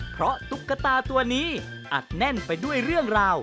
เพราะตุ๊กตาตัวนี้อัดแน่นไปด้วยเรื่องราว